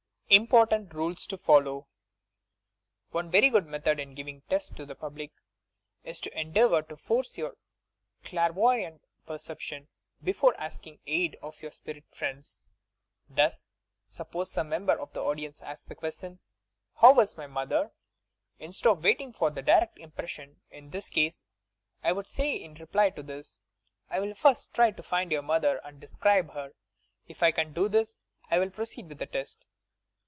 IMPORTANT RULES TO FOLLOW "One very good method in giving tests to the public is to endeavour to force your clairvoyant perception before asking aid of your spirit friends. Thus, suppose some member of the audience asks the question 'How is my mother!' Instead of waiting for a direct im pression, in this case I should say in reply to this: 'I will first try to find your mother and describe her. If I can do this I will proceed with the test.'